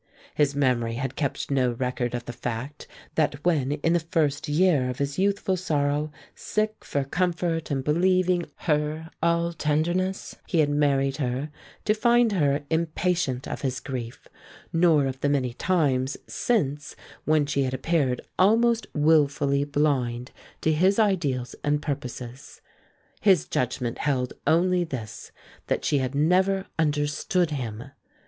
His memory had kept no record of the fact that when in the first year of his youthful sorrow, sick for comfort and believing her all tenderness, he had married her, to find her impatient of his grief, nor of the many times since when she had appeared almost wilfully blind to his ideals and purposes. His judgment held only this, that she had never understood him.